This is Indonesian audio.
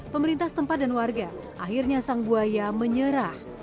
pemerintah setempat dan warga akhirnya sang buaya menyerah